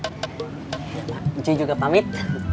pak pak cik juga pamit